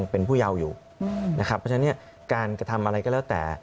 เพราะฉะนั้นการทำอะไรก็แล้วแต่